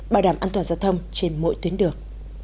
bảo đảm an toàn giao thông trên mỗi tuyến đường